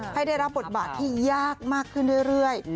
ให้ได้รับบทบาทที่ยากมากขึ้นเรื่อย